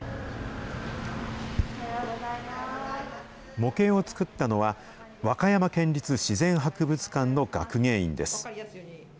模型を作ったのは、和歌山県立自然博物館の学芸員です。